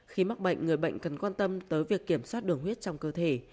khi mắc bệnh người bệnh cần quan tâm tới việc kiểm soát đường huyết trong cơ thể